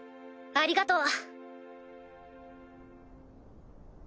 ありがとう。